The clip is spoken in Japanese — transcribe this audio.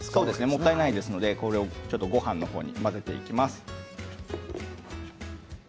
もったいないですのでごはんと混ぜて使います。